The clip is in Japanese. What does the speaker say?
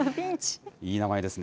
いい名前ですね。